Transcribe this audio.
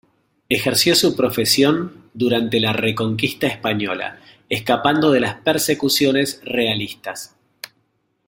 Ejerció su profesión durante la Reconquista Española, escapando de las persecuciones realistas.